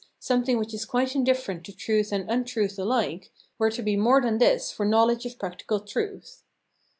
something which is quite indifferent to truth and untruth alike, were to be more than this for knowledge of practical truth.